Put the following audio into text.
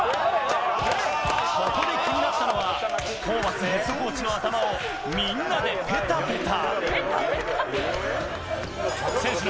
ここで気になったのは、ホーバスヘッドコーチの頭をみんなでぺたぺた。